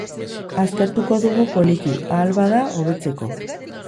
Aztertuko dugu poliki, ahal bada, hobetzeko.